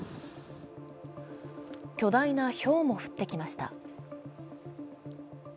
巨大なひょうも降ってきました。